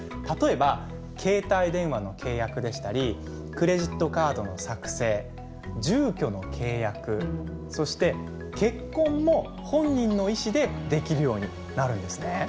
例えば携帯電話の契約でしたりクレジットカードの作成住居の契約そして結婚も本人の意思でできるようになるんですね。